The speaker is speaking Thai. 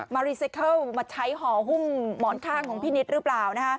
รีไซเคิลมาใช้ห่อหุ้มหมอนข้างของพี่นิดหรือเปล่า